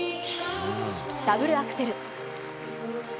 ダブルアクセル。